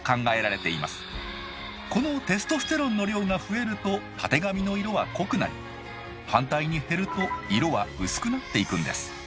このテストステロンの量が増えるとたてがみの色は濃くなり反対に減ると色は薄くなっていくんです。